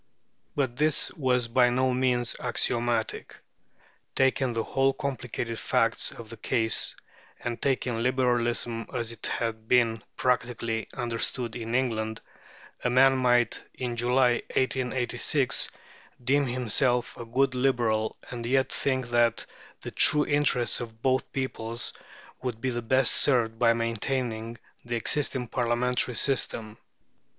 But this was by no means axiomatic. Taking the whole complicated facts of the case, and taking Liberalism as it had been practically understood in England, a man might in July, 1886, deem himself a good Liberal and yet think that the true interests of both peoples would be best served by maintaining the existing Parliamentary system.